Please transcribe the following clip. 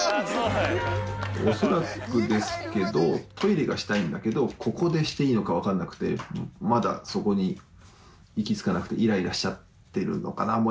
恐らくですけどトイレがしたいんだけどここでしていいのか分かんなくてまだそこに行き着かなくてイライラしちゃってるのかな。